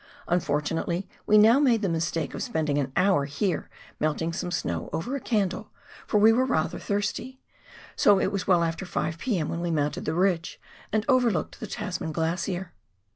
Unfortunately we now made the mistake of spending an hour here melting some snow over a candle, for we were rather thirsty, so that it was well after 5 p.m. when we mounted the ridge and overlooked the Tasman Glacier.